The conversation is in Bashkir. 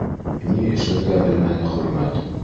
Ни эшләргә белмәне Хөрмәт.